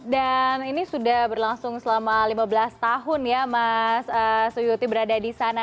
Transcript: dan ini sudah berlangsung selama lima belas tahun ya mas suyuti berada di sana